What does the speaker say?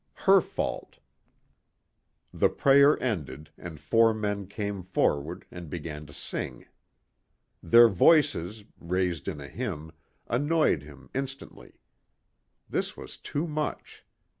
Her fault. The prayer ended and four men came forward and began to sing. Their voices, raised in a hymn, annoyed him instantly. This was too much.